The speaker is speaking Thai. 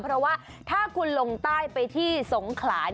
เพราะว่าถ้าคุณลงใต้ไปที่สงขลา